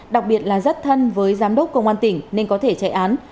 đặc biệt là rất thân với giám đốc công an tỉnh nên có thể chạy án